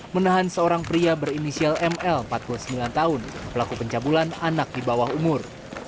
menahan seorang pria berinisial ml empat puluh sembilan tahun pelaku pencabulan anak di bawah umur